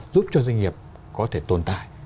giúp cho doanh nghiệp có thể tồn tại